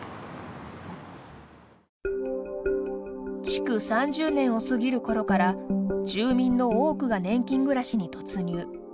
築３０年を過ぎるころから住民の多くが年金暮らしに突入。